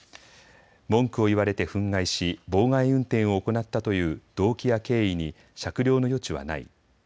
文句を言われて憤慨し妨害運転を行ったという動機や経緯に酌量の余地はない。